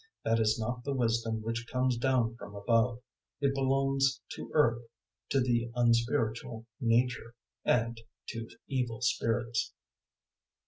003:015 That is not the wisdom which comes down from above: it belongs to earth, to the unspiritual nature, and to evil spirits.